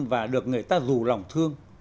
và được người ta rủ lòng thương